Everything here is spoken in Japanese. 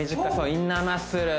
インナーマッスル